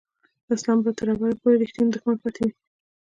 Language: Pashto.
اسلام به تر ابده پورې رښتینی دښمن پاتې وي.